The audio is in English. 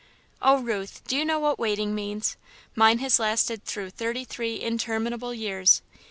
"Oh, Ruth, do you know what waiting means? Mine has lasted through thirty three interminable years.